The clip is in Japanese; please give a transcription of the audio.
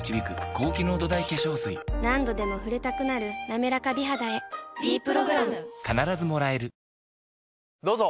何度でも触れたくなる「なめらか美肌」へ「ｄプログラム」どうぞ！